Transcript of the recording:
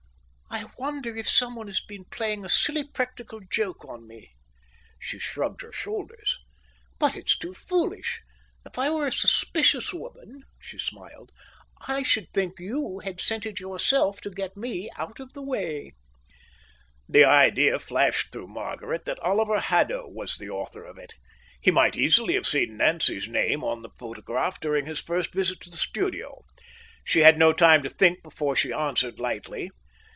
"I wonder if someone has been playing a silly practical joke on me." She shrugged her shoulders. "But it's too foolish. If I were a suspicious woman," she smiled, "I should think you had sent it yourself to get me out of the way." The idea flashed through Margaret that Oliver Haddo was the author of it. He might easily have seen Nancy's name on the photograph during his first visit to the studio. She had no time to think before she answered lightly.